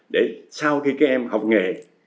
để sau khi các em học nghề